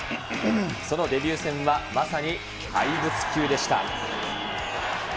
そのデビュー戦は、まさに怪物級でした。